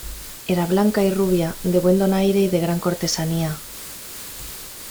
era blanca y rubia, de buen donaire y de gran cortesanía.